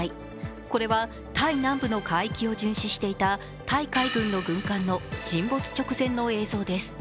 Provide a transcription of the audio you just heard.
これは、タイ南部の海域を巡視していたタイ海軍の軍艦の沈没直前の映像です。